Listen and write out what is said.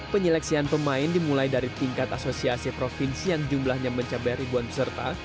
penyeleksian pemain dimulai dari tingkat asosiasi provinsi yang jumlahnya mencapai ribuan peserta